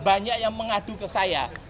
banyak yang mengadu ke saya